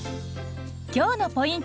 今日のポイント